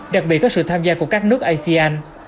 đặc biệt có sự tham gia của các nước asean